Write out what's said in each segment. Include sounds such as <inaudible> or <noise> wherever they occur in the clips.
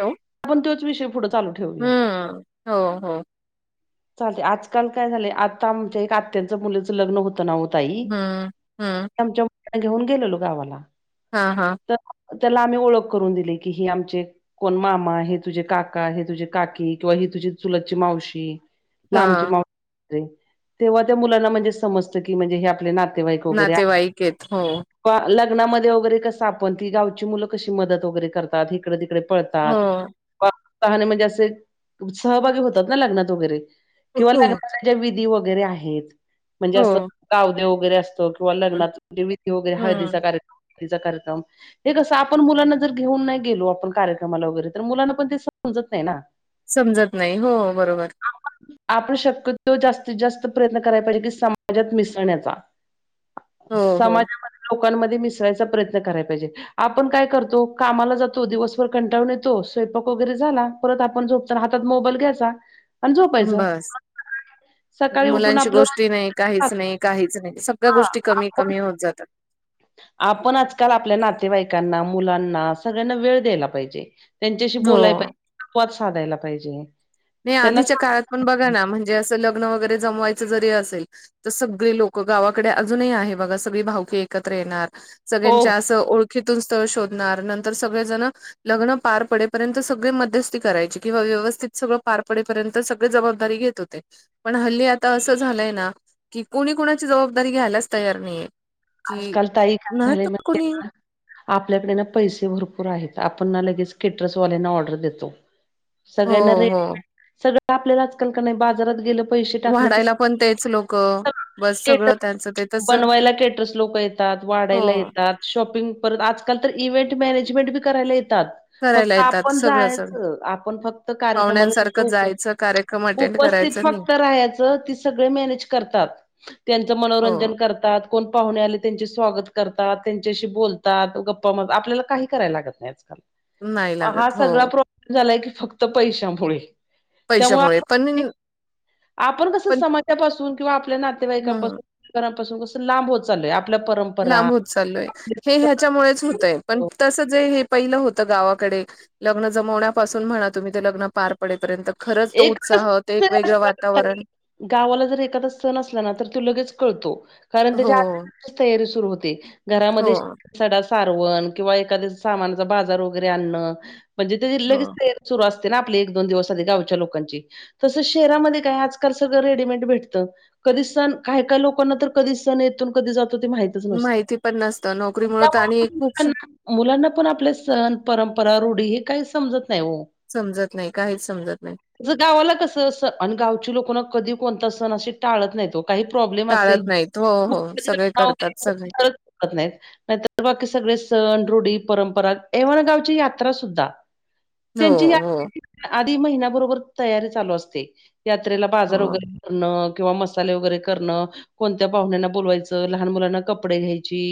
Hello. आपण तोच विषय पुढे चालू ठेवलोय. हा हो हो. चालतंय. आजकाल काय झालंय आता आमच्या एक आत्यांचं मुलीचं लग्न होतं ना ओ ताई हम्म हम्म आमच्या मु घेऊन गेलेलो गावाला, हा हा तर त्याला आम्ही ओळख करून दिली की ही आमचे कोण मामा, हे तुझे काका, हे तुझे काकी किंवा ही तुझी चुलतची मावशी. लांबची हा <unintelligible> तेव्हा त्या मुलांना म्हणजे समजतं की, म्हणजे हे आपल्या नात नातेवाईक वगैरे नातेवाईक आहेत हो आहे लग्नामध्ये वगैरे कसं आपण ती गावची मुलं कशी मदत वगैरे करतात, इकडे तिकडे पळत हो <unintelligible> म्हणजे असे सहभागी होतात ना लग्नात वगैरे. किंवा हो लग्नाचा ज्या विधी वगैरे आहेत म्हणजे असं हो गावदेव वगैरे असतो. किंवा लग्नात विधी वगैरे हळदीचा हम्म कार्यक्रम, <unintelligible> कार्यक्रम हे कसं आपण मुलांना जर घेऊन नाही गेलो आपण कार्यक्रमाला वगैरे तर मुलांना पण ते समजत नाही ना. समजत नाही हो बरोबर. आपण आपण शक्यतो जास्तीत जास्त प्रयत्न कराय पाहिजे की समाजात मिसळण्याचा. हो हो समाजामध्ये, लोकांमध्ये मिसळायचा प्रयत्न कराय पाहिजे. आपण काय करतो. कामाला जातो, दिवसभर कंटाळून येतो. स्वयंपाक वगैरे झाला परत आपण झोपताना हातात मोबाईल घ्यायचा आणि झोपायचं. बस सकाळी उठून मुलांची आपलं गोष्टी नाही, काहीच नाही, काहीच नाही. सगळ्या हा गोष्टी कमी आपण कमी होत जातात. आपण आजकाल आपल्या नातेवाईकांना, मुलांना सगळ्यांना वेळ द्यायला पाहिजे. त्यांच्याशी बोलाय हो पाहिजे, संवाद साधायला पाहिजे. नाही त्यांना आधीच्या काळात पण बघा सांग ना म्हणजे असं लग्न वगैरे जमवायचं जरी असेल तर सगळी लोक गावाकडे अजूनही आहे बघा, सगळी भावकी एकत्र येणार हो हो सगळ्यांच्या असं ओळखीतून स्थळ शोधणार. नंतर सगळेजण लग्न पार पडेपर्यंत सगळे मध्यस्थी करायचे किंवा व्यवस्थित सगळं पार पडेपर्यंत सगळे जबाबदारी घेत होते. पण हल्ली आता असं झालंय ना, की कोणी कोणाची जबाबदारी घ्यायलाच तयार नाहीये. की आजकाल ताई काय नाही झाले तर माहितेय कोणी का? आपल्याकडे ना पैसे भरपूर आहेत. आपण ना लगेच केटर्सवाल्यांना ऑर्डर देतो. हो सगळ्यांना रेट हो <unintelligible> सगळं आपल्याला आजकाल कनई बाजारात गेल पैसे टाकले की वाढायला पण तेच लोक <unintelligible> बस सगळं स्टेटस त्यांचं ते तसं बनवायला स्टेटस लोक येतात, हो वाढायला येतात, शॉपिंग परत आजकाल तर इव्हेंट मॅनेजमेंट बी करायला येतात. करायला फक्त येतात आपण सगळं सगळं जायचं आपण फक्त कार्यक्रमाला पाहुण्यांसारखं तिथं उतरतो जायचं कार्यक्रम अटेंड उपस्थित करायचं नाही फक्त राहायचं ती सगळे मॅनेज करतात. त्यांचं हो मनोरंजन करत ता कोण पाहुणे आले त्यांचे स्वागत करतात. त्यांच्याशी बोलतात, गप्पा म आपल्याला काही करायला लागत नाही आजकाल. नाही हा लागत हो सगळा प्रॉब्लेम झालाय की फक्त पैशामुळे. त्यामुळे पैशामुळे पण मी आपण आपण कसं समाजापासून किंवा आपल्या ह नातेवाईकांपासून <unintelligible> पासून कसं लांब होत चाललोय. आपल्या परंप लांब होत चाललोय. हे ह्याच्यामुळेच होतय, पण सण तसं जे हे पहिलं होतं गावाकडे लग्न जमवण्यापासून म्हणा तुम्ही ते लग्न पार पडेपर्यंत खरंच तो एक उत्साह ते एक जरी वेगळं असला ना ताई वातावरण गावाला जर एखादा सण असला ना तर तो लगेच कळतो. कारण हो त्याच्या <unintelligible> तयारी सुरु होते. हो घरामध्ये सडा सारवण किंवा एखाद्या सामानाचा बाजार वगैरे आणणं. म्हणजे ते लगेच हो ते सुरू असते ना आपली एक दोन दिवस आधी गावच्या लोकांची तसं शहरामध्ये काय आजकाल सगळं रेडीमेड भेटतं. कधी सण काही काही लोकांना तर कधी सण येेतो आणि कधी जातो ते माहित <unintelligible> नसतं माहिती पण नसतं नोकरीमुळे तर त्यामुळं आणि खूप आपण <unintelligible> मुलांना पण आपले सण, परंपरा, रूढी हे काही समजत नाही ओ. समजत नाही, काहीच समजत नाही. गावाला कसं अस आणि गावची लोकं ना कधी कोणता सण असे टाळत नाही ओ. काही प्रॉब्लेम असेल टाळत <unintelligible> नाहीत हो <unintelligible> हो सगळे करतात सगळे नाहीत. नाहीतर बाकी सगळे सण, रुढी, परंपरा एव्हाना गावची यात्रा सुद्धा. <inaudible> हो त्यांची हो यात्रेच्या आधी महिना बरोबर तयारी चालू असते. यात्रेला बाजार हो वगैरे करणं किंवा मसाले वगैरे करणं कोणत्या पाहुण्यांना बोलवायचं, लहान मुलांना कपडे घ्यायची,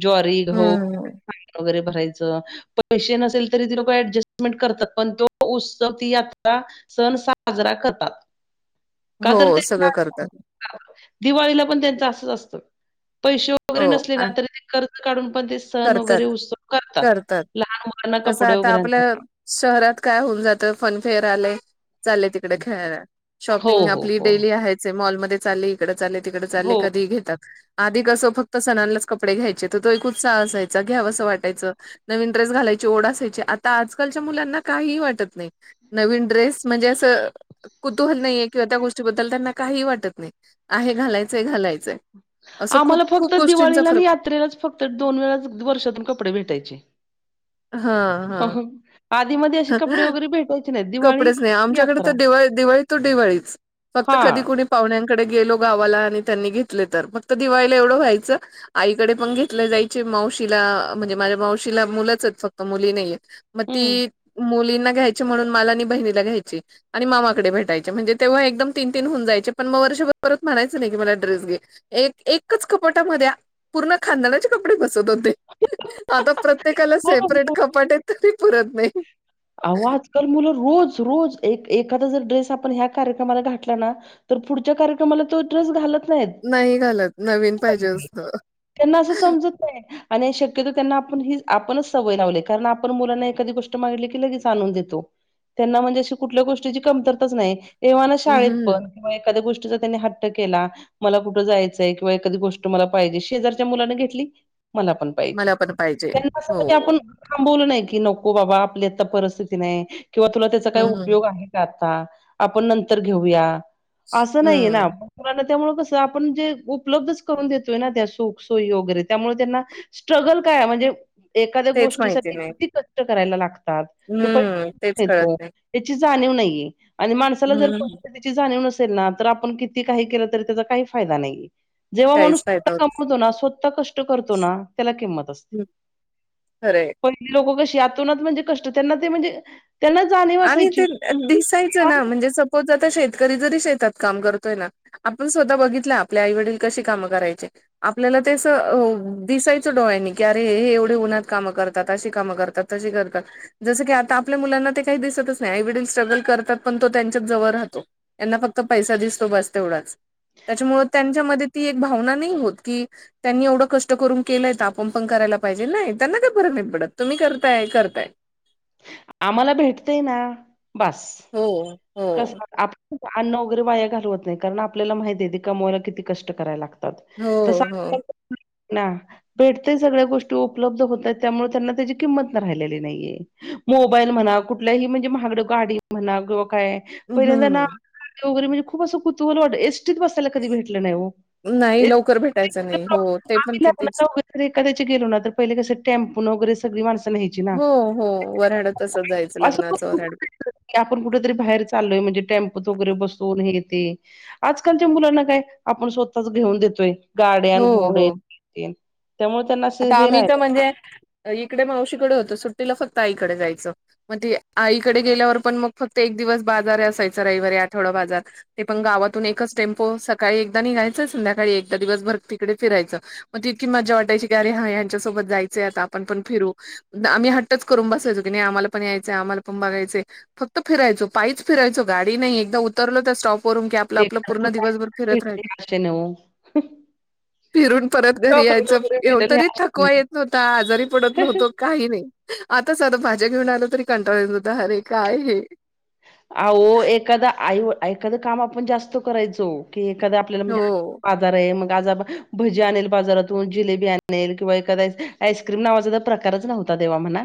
ज्वारी, गहू हम्म <unintelligible> वगैरे भरायचं. पैसे नसेल तरी ती लोक ऍडजस्टमेंट करतात, पण तो उत्सव ती यात्रा, सण साजरा करतात, का तर हो ते ना सगळं करतात. दिवाळीला पण त्यांच असंच असतं. पैसे वगैरे हो नसले ना आ तरी ते कर्ज काढून पण ते सण करतात वगैरे उत्सव करतात. लहान मुलांना तसं कपडे आता वगैरे आणतात. आपल्या शहरात काय होऊन जातं फनफेअर आले चालले तिकडे खेळायला. हो, शॉपिंग हो, आपली हो. डेली आहेच आहे. मॉलमध्ये चालली इकडं चालले, तिकडं चालले हो. कधीही घेतात. आधी कसं फक्त सणालाच कपडे घ्यायचे, तर ते खुप उत्साह असायचं, घ्यावसं वाटायचं. नवीन ड्रेस घालायची ओढ असायची. आता आजकालच्या मुलांना काहीही वाटत नाही. नवीन ड्रेस म्हणजे असं कुतूहल नाहीये किंवा त्या गोष्टीबद्दल त्यांना काही वाटत नाही. आहे घालायचंय, घालायचंय. असं खूप आम्हाला फक्त खूप गोष्टींचा दिवाळीला आणि फरक यात्रेलाच फक्त दोन वेळाच वर्षातून कपडे भेटायचे. हा, हो, हा. हो. आधीमध्ये असे कपडे वगैरे भेटायचे. नाहीत. दिवाळी, कपडेच नाही. आमच्याकडे यात्रा. तर दिवाळी दिवाळी टू दिवाळीच. फक्त कधी हां. कुणी पाहुण्यांकडे गेलो गावाला आणि त्यांनी घेतले तर, फक्त दिवाळीला एवढं व्हायचं आईकडे पण घेतले जायचे. मावशीला म्हणजे माझ्या मावशीला मुलंच आहेत फक्त मुली नाहीयेत. मग हं. ती मुलींना घ्यायची म्हणून मला आणि बहिणीला घ्यायचे. आणि मामाकडे भेटयचे म्हणजे तेव्हा एकदम तीन तीन होऊन जायचे, पण मग वर्षभर परत म्हणायचं नाही की मला ड्रेस घे. एक एकच कपाटामध्ये पूर्ण खानदानाचे कपडे बसत होते. आता प्रत्येकाला हो, सेपरेट हो. कपाट आहेत तरी पुरत नाही. अहो आजकाल मुलं रोज रोज एक एखादा जर ड्रेस आपण ह्या कार्यक्रमाला घातला ना तर पुढच्या कार्यक्रमाला तो ड्रेस घालत नाहीत. नाही घालत नवीन पाहिजे असतं. त्यांना अस समजत आणि शक्यतो त्यांना आपण ही आपणच सवय लावलीये. कारण आपण मुलांना एखादी गोष्ट मागितली लगेच आणून देतो. त्यांना म्हणजे अशी कुठल्या गोष्टीची कमतरताच नाही. येव्हाना अ, शाळेत पण हं. त्यामुळे एखाद्या गोष्टीचा त्यांनी हट्ट केला मला कुठं जायचंय किंवा एखादी गोष्ट मला पाहिजे. शेजारच्या मुलानं घेतली मला पण पाहिजे. मला पण पाहिजे. त्यांना कसं म्हणजे हो. आपण थांबवलं नाही, की नको बाबा आपली आत्ता परिस्थिती नाही किंवा तुला त्याचा काय हं, हं. उपयोग आहे. आता आपण नंतर घेऊया, असं नाहीये ना. हं. मुलांना त्यामुळे कसं आपण जे उपलब्धच करून देतोय ना त्या सुख, सोयी वगैरे त्यामुळे त्यांना स्ट्रगल काय हाय म्हणजे एखाद्या तेच माहिती गोष्टीसाठी नाही. किती कष्ट करायला लागतात. तो पैेसा हं, तेच कसा कळत येतो? नाही. त्याची जाणीव नाही आणि माणसाला जर हं, परिस्थितीची ती जाणीव नसेल ना तर आपण किती काही केलं तरी त्याचा काही फायदा नाही. जेव्हा माणूस काहीच स्वः फायदा होत कमवतो ना स्वतः कष्ट करतो ना त्याला किंमत असते. खर आहे. पहिली लोकं कशी आतोनात म्हणजे कष्ट त्यांना ते म्हणजे. त्यांना जाणे आणि ते दिसायचं ना म्हणजे सपोज आता शेतकरी जरी शेतात काम करतोय ना. आपण स्वतः बघितलंय आपल्या आई वडील कशी कामं करायचे? आपल्याला ते दिसायचं डोळ्यांनी की अरे एवढे उन्हात कामं करतात, अशी कामं करतात. जसं करतात जस क आता आपल्या मुलांना ते काही दिसतच नाही आई वडील स्ट्रगल करतात पण तो त्यांच्याच जवळ राहतो. यांना फक्त पैसा दिसतो बस तेवढाच. त्याच्यामुळं त्यांच्यामध्ये ती एक भावना नाही होत की. त्यांनी एवढं कष्ट करून केलंय आपण पण करायला पाहिजे नाही त्यांना काय फरक नाहीत पडत तुम्ही करताय करताय? आम्हाला भेटतेय ना बास.. हो.. कस हो आपण अन्न वगैरे वाया घालवत नाही. कारण आपल्याला माहितीये आहे ते कमवायला किती कष्ट करायला लागत. हो, तस हो. <unintelligible> ना भेटतय सगळ्या गोष्टी उपलब्ध होतात त्यामुळे त्यांना त्याची किंमत राहिलेली नाहीये. मोबाईल म्हणा कुठल्याही म्हणजे महागडं गाडी म्हणा किंवा काय. पहिल्यांदा ना हं. वगैरे म्हणजे खूप असं कुतुहल एसटीत बस कधी भेटल नाही ओ नाही लवकर भेटायचं नाही. हो, ते पण कितीच <unintelligible> तर एखाद्या गेलो ना तर पहिल कसे टेम्पो न वगैरे सगळी माणसं न्या हो, हो. वऱ्हाड तसंच जायचं असं लग्नाचं वऱ्हाड. <unintelligible> आप कुठ तरी बाहेर चालोय म्हणजे टेम्पोत वगैरे बसून हे ते. आजकालच्या मुलांना काय आपण स्वतःच घेऊन देतोय हो, गाड्यान घोडे हो. हे तेन त्यामुळे त्यांना असं आता हे आम्ही तर राहिलं नाही म्हणजे इकडे मावशीकडे होतो सुट्टीला फक्त आईकडे जायचं. मग ते आईकडे गेल्यावर पण मग फक्त एक दिवस बाजार असायच रविवारी आठवडा बाजार. ते पण गावातून एकच टेम्पो सकाळी एकदा निघायचं संध्याकाळी एकदा दिवस भर तिकडे फिरायचं. मग इतकी मजा वाटयची की अरे यांच्यासोबत जायचंय आता आपण पण फिरू. आम्ही हट्टच करून बसायचो की नाही आम्हाला पण यायचय आम्हाला पण बघायचे. फक्त फिरायचो पाईच फिरायचो गाडी नाही एकदा उतरलो त्या स्टॉप, वरून की आपलं आपलं एखादं पूर्ण कुठं दिवसभर फिरत भेटले राहील आशेनं ओ फिरून परत घरी चॉकलेट यायचं, वगैरे एवढ भेटल तरी ह्या थकवा येत आशेने नव्हता, आजारी पडत नव्हतो. काही नाही आता साध भाज्या घेऊन आलं तरी कंटाळा येत होता अरे काय हे? अहो एखादां आई एखादं काम आपण जास्त करायचो की एखादं आपल्याला म्हणजे हो. बाजार आहे भजी आणेल, बाजारातून जलेबी आणेल किंवा एखाद्य आईस्क्री क्रीम नावाचा प्रकारच नव्हता म्हणा तेव्हा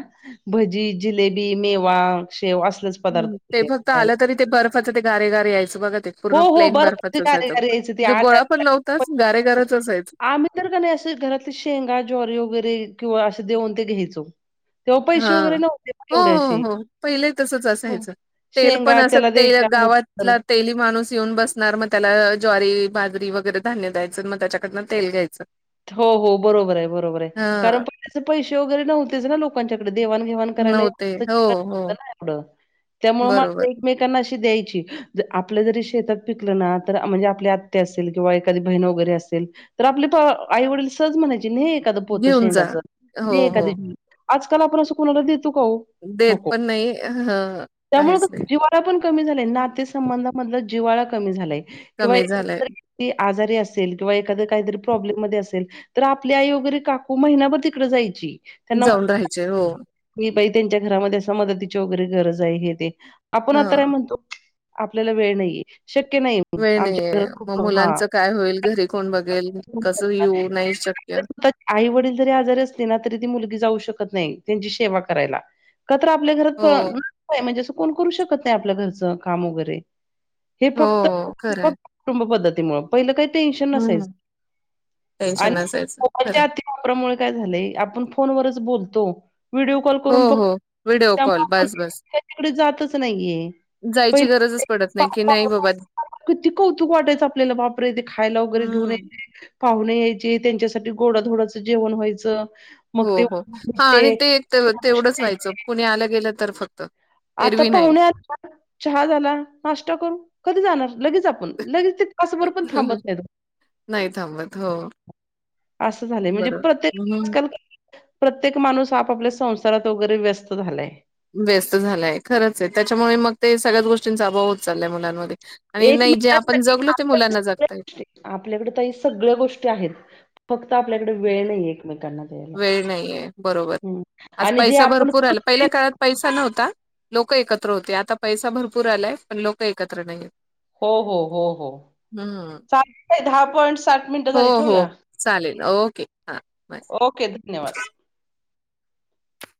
भजी, जिलेबी, मेवा, शेव असलेच. हं, पदार्थ होते ते फक्त तेव्हा आलं खायला. तरी ते बर्फाचं ते गारे गारे यायचं बघा ते हो, पूर्ण हो. प्लेन बर्फाचे बर्फाच असायचं गारे-गारे यायचे ते म्हणजे गोळा पण नव्हवताच गारेगारच असायचं. आम्ही तर का नाही असे घरातली शेंगा, ज्वारीे वगैरे किंवा असे देऊन ते घ्यायचो. तेव्हा हा पैसे वगैरे नव्हते हो एवढे हो असे. हो पहिले तसच असायचं तेल पण शेंगा असत त्याला तेल द्यायच्या मुठभर. गावातला तेली माणूस येऊन बसणार मग त्याला ज्वारी, बाजरी वगैरे धान्य द्यायचं मग त्याच्याकडनं तेल घ्यायचं. हो हो बरोबर आहे, बरोबर आहे कारण हां, पहीला पैसे वगैरे नव्हतेच ना लोक त्यांच्याकडे देवाणघेवाण करायला नव्हते. हो, हो. <unintelligible> नाही एवढ त्यामुळे बरोबर. माणसं एकमेकां त्यांना अशी द्यायची आपल्या जरी शेतात पिकल ना तर म्हणजे आपल्या आत्या असेल. किंवा एखादी बहिण वगैरे असेल तर आपले आई वडील सहज म्हणायची ने एखादं पोत घेऊन जा. शेंगाचं हो, एखादी हो. आजकाल आपण असं कुणाला देतो का हो. देत पण नाही. हं. त्यामुळं काहीच नाही. जिव्हाळा पण कमी झालाय, नातेसंबंधामधलं जिव्हाळा कमी झालाय. किंवा कमी झालंय. एखाद <unintelligible> आजारी असेल किंवा एखाद काहीतरी प्रॉब्लेममध्ये असेल तर आपली आई वगैरे काकू महिनाभर तिकडं जायची. त्यांना जाऊन मदत राहायचे हो. <unintelligible> की बाई त्यांच्यात घरामध्ये असं मदतीची वगैरे गरज आहे हे ते आपण आता काय हां. म्हणतो? आपल्याला वेळ नाहीे, शक्य नाही. वेळ नाहीे, आमच्या घरात मग खूप हां. मुलांचं काय होईल. घरी कोण बघेल, कसं येऊ नाही शक्य. त्यात आई वडील जरी आजारी असली ना तरी ती मुलगी जाऊ शकत नाही, त्यांची सेवा करायला. का तर आपल्या घरात हो, <unintelligible> म्हणजे असं कोण करू शकत नाही आपल्या घरचं काम वगैरे. हे फक्त हो. <unintelligible> खरं आहे. कुटुंब पद्धतीमुळं. पहिलं काही टेन्शन नसायचं. हं. टेन्शन आणि नसायचं. खरं आहे. <unintelligible> मुळे काय झालंय आपण फोनवरच बोलतो. व्हिडिओ कॉल हो, करून बघ हो. व्हिडिओ त्या कॉल बस, <unintelligible> बस. ते तिकडे जातच नाहीये. जायची पहिले गरजच पडत नाही, की नाही बाबा <unintelligible> किती कौतुक वाटायचं आपल्याला बापरे, ते खायला वगैरे घेऊन हं. यायचे. पाहुणे यायचे, त्यांच्यासाठी गोडाधोडाचं जेवण व्हायचं. मग हो, ते हो. हा आणि ते तेवढंच व्हायचं कोणी आलं गेलं तर फक्त आता एरवी नाही. पाहुणे आ <unintelligible> चहा झाला, नाश्ता करून कधी जाणार? लगेच आप कोण लगेच तिथं तासभर पण थांबत नाहीत. नाही थांबत हो. असं झालंय म्हणजे बरोबर. प्रत्येक हं. आजकाल प्रत्येक माणूस आपापल्या संसारात वगैरे व्यस्त झालाय. व्यस्त झालाय. खरंच आहे त्याच्यामुळे मग ते सगळ्याच गोष्टींचा अभाव होत चाललाय मुलांमध्ये. आणि एक नाही जे आपण जगलो ते मुलांना जगतायेत. आपल्याकडं ताई सगळ्या गोष्टी आहेत. फक्त आपल्याकडे वेळ नाही एकमेकांना द्यायला. वेळ नाहीये बरोबर. हम्म आज आणि जे पैसा आपण भरपूर आला पहिल्या कृत्रिम काळात पैसा नव्हता लोक एकत्र होते. आता पैसा भरपूर आलाय, पण लोक एकत्र नाही आहेत. हो, हो, हो, हो. हम्म चालतंय दहा पॉइंट्स हो, हो चालेल. ओके हा बास. ओके, धन्यवाद.